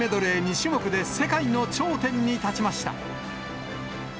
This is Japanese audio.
種目で世界の頂点に立ちました。